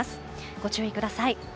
ご注意ください。